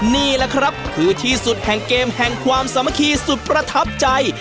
นี่แหละครับคือที่สุดแห่งเกมแห่งความสามัคคีสุดประทับใจ